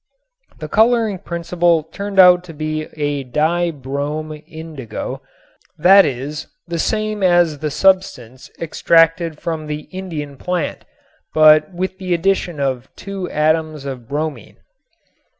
The coloring principle turned out to be a di brom indigo, that is the same as the substance extracted from the Indian plant, but with the addition of two atoms of bromine.